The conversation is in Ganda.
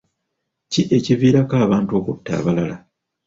Ki ekiviirako abantu okutta abalala?